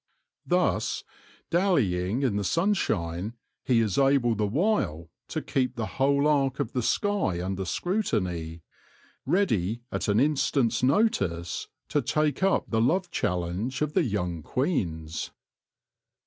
Thus, dallying in the sunshine, he is able the while to keep the whole arc of the sky under scrutiny, ready at an instant's notice to take up the love challenge of the young queens.